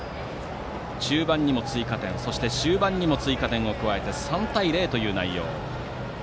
中盤にも追加点そして終盤にも追加点を加え３対０という内容。